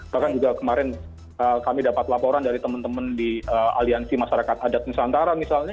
bahkan juga kemarin kami dapat laporan dari teman teman di aliansi masyarakat adat nusantara misalnya